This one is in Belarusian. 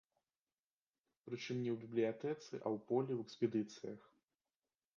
Прычым не ў бібліятэцы, а ў полі, ў экспедыцыях.